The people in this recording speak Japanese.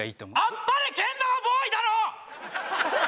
「あっぱれけん玉ボーイ」だろ